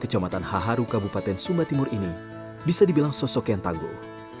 kecamatan haharu kabupaten sumba timur ini bisa dibilang sosok yang tangguh